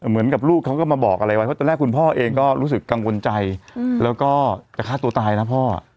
เหมือนกับลูกเขาก็มาบอกอะไรไว้เพราะตอนแรกคุณพ่อเองก็รู้สึกกังวลใจแล้วก็จะฆ่าตัวตายนะพ่อ